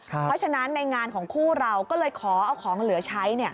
เพราะฉะนั้นในงานของคู่เราก็เลยขอเอาของเหลือใช้